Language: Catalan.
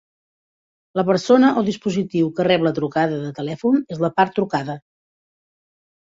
La persona o dispositiu que rep la trucada de telèfon es la part trucada.